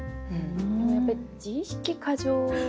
でもやっぱり自意識過剰ですよね。